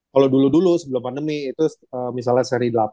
kalau dulu dulu sebelum pandemi itu misalnya seri delapan